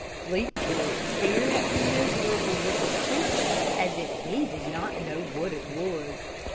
Fleetfoot stared at the miserable looking creature as if he did not know what it was.